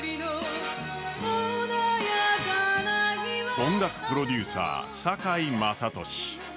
音楽プロデューサー、酒井政利。